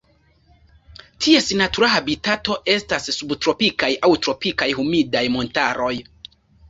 Ties natura habitato estas subtropikaj aŭ tropikaj humidaj montaroj.